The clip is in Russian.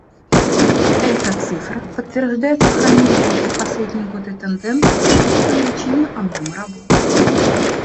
Эта цифра подтверждает сохраняющуюся в последние годы тенденцию к увеличению объема работы.